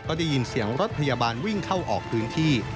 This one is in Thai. ก็ได้ยินเสียงรถพยาบาลวิ่งเข้าออกพื้นที่